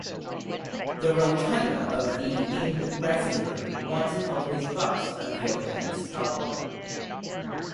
The rotunda of the in Regensburg once held his bust of Johannes Kepler.